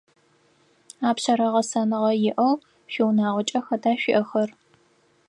Апшъэрэ гъэсэныгъэ иӏэу шъуиунагъокӏэ хэта шъуиӏэхэр?